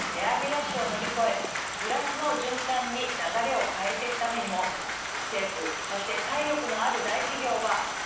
ラッシュを乗り越えプラスの循環に流れを変えていくためにも政府そして体力のある大企業は長期的な視点